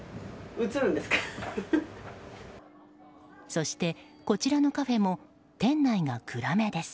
そして、こちらのカフェも店内が暗めです。